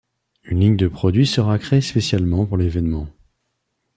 Une ligne de produits sera créée spécialement pour l'évènement.